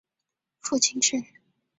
父亲是。